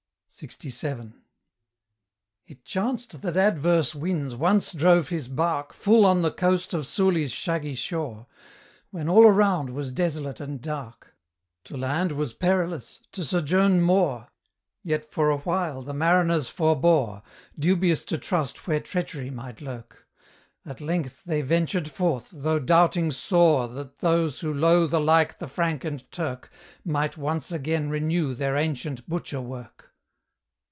LXVII. It chanced that adverse winds once drove his bark Full on the coast of Suli's shaggy shore, When all around was desolate and dark; To land was perilous, to sojourn more; Yet for awhile the mariners forbore, Dubious to trust where treachery might lurk: At length they ventured forth, though doubting sore That those who loathe alike the Frank and Turk Might once again renew their ancient butcher work.